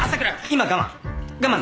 今は我慢。